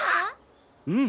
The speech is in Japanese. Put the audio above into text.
うん！